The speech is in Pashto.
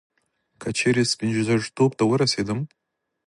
که چیري سپين ژیرتوب ته ورسېدم